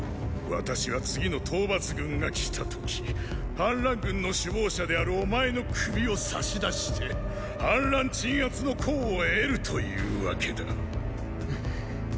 私は次の討伐軍が来た時“反乱軍の首謀者であるお前”の首をさし出して反乱鎮圧の功を得るというわけだ。